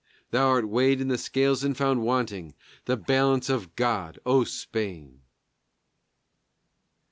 Thou art weighed in the scales and found wanting, the balance of God, O Spain!